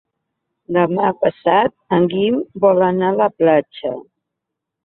Demà passat en Guim vol anar a la platja.